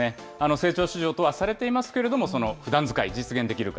成長市場とはされていますけれども、そのふだん使い、実現できるか。